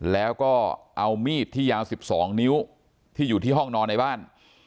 แล้วก็เอามีดที่ยาว๑๒นิ้วที่อยู่ที่ห้องนอนในบ้าน